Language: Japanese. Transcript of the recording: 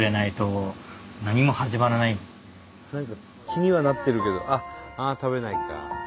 気にはなってるけどああ食べないか。